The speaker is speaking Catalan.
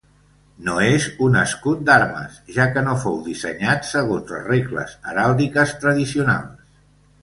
No és un escut d'armes, ja que no fou dissenyat segons les regles heràldiques tradicionals.